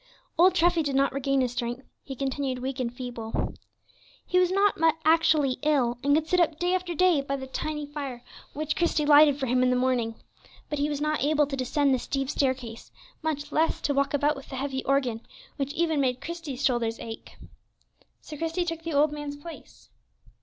Old Treffy did not regain his strength. He continued weak and feeble. He was not actually ill, and could sit up day after day by the tiny fire which Christie lighted for him in the morning. But he was not able to descend the steep staircase, much less to walk about with the heavy organ, which even made Christie's shoulders ache. So Christie took the old man's place.